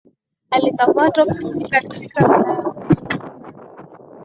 alikamatwa katika wilaya ya mkono na kwa sasa